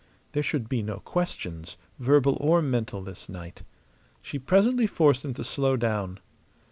There should be no questions, verbal or mental, this night. She presently forced him to slow down.